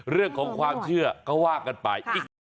เรื่องของความเชื่อก็ว่ากันไป